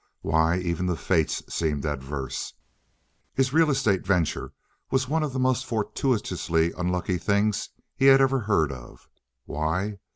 Why, even the fates seemed adverse. His real estate venture was one of the most fortuitously unlucky things he had ever heard of. Why?